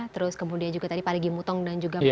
terus kemudian juga tadi parigi mutong dan juga penguju